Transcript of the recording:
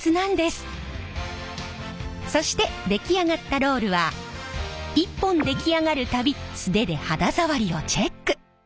そして出来上がったロールは１本出来上がる度素手で肌触りをチェック！